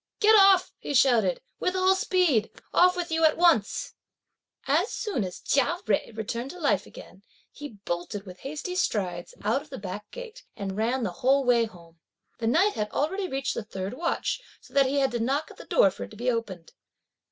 "Get off," he shouted, "with all speed! off with you at once!" As soon as Chia Jui returned to life again, he bolted with hasty strides, out of the back gate, and ran the whole way home. The night had already reached the third watch, so that he had to knock at the door for it to be opened.